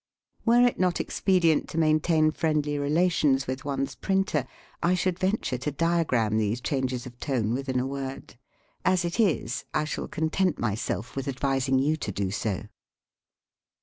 Were it not ex pedient to maintain friendly relations with one's printer, I should venture to diagram these changes of tone within a word. As it is, I shall content myself with advising you to do so.